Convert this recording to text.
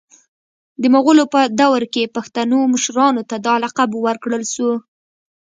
د مغولو په دور کي پښتنو مشرانو ته دا لقب ورکړل سو